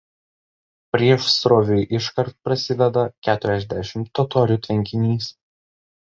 Priešsroviui iškart prasideda Keturiasdešimt totorių tvenkinys.